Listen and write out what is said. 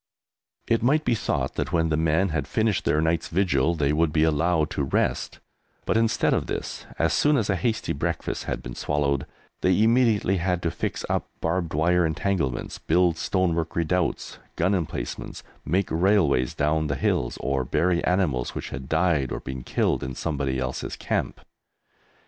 It might be thought that when the men had finished their night's vigil they would be allowed to rest, but instead of this, as soon as a hasty breakfast had been swallowed, they immediately had to fix up barbed wire entanglements, build stonework redoubts, gun emplacements, make railways down the hills, or bury animals which had died or been killed in somebody else's camp.